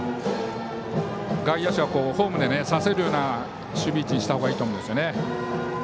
外野手はホームで刺せるような守備位置にしたほうがいいですね。